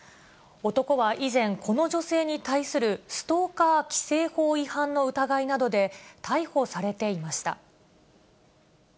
男は以前、この女性に対するストーカー規制法違反の疑いなどで、逮捕されていました。